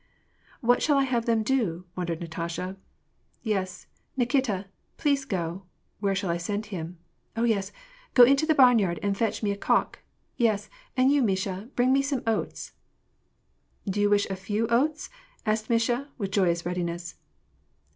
" What shall I have them do ?" wondered Natasha. "Yes, Nikita, please go — where shall I send him ? oh, yes, — go into the barnyard and fetch me a cock ; yes, and you, Misha, bring me some oats." "Do you wish a few oats ?" asked Misha, with joyous readi ness.